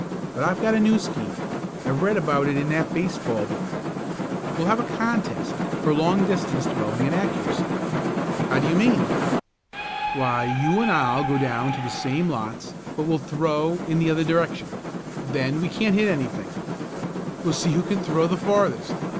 But I've got a new scheme. I read about it in that baseball book. We'll have a contest for long distance throwing and accuracy." "How do you mean?" "Why you and I'll go down in the same lots but we'll throw in the other direction. Then we can't hit anything. We'll see who can throw the farthest.